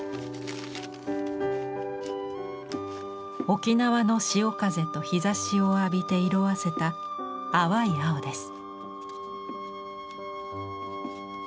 沖縄の潮風と日ざしを浴びて色あせた淡い青です。